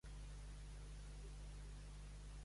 Es va explicar que ell es va casar amb Tamar.